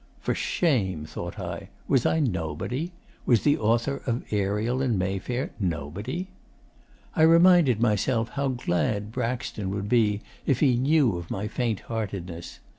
'For shame! thought I. Was I nobody? Was the author of "Ariel in Mayfair" nobody? 'I reminded myself how glad Braxton would be if he knew of my faint heartedness.